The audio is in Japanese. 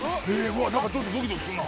ちょっとドキドキするな。